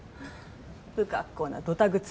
不格好なドタ靴。